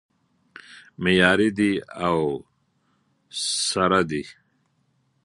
معیاري دی او سره دی